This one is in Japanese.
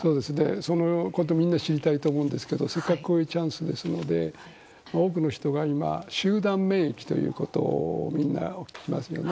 そのことをみんな知りたいと思うんですけどせっかくこういうチャンスですので多くの人が、今集団免疫ということがありますよね。